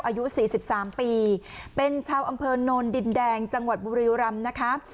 อายุสี่สิบสามปีเป็นชาวอำเภอนนท์ดินแดงจังหวัดบุรียุรัมน์นะคะ